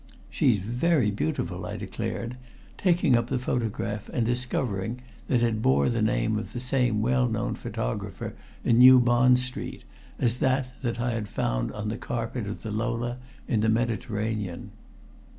"She's very beautiful!" I declared, taking up the photograph and discovering that it bore the name of the same well known photographer in New Bond Street as that I had found on the carpet of the Lola in the Mediterranean.